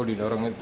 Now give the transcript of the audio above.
oh didorong itu